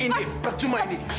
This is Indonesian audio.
indi percuma indi